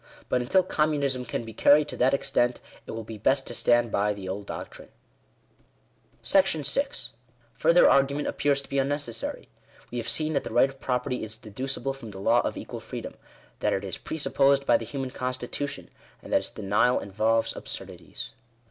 But until Communism can be carried to that extent, it will be best to stand by the old doctrine. §6. Further argument appears to be unnecessary. We have seen that the right of property is deducible from the law of equal freedom — that it is presupposed by the human constitution — and that its denial involves absurdities.